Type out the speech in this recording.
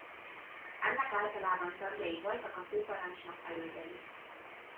Ennek általában tagjai voltak a főparancsnok elődei.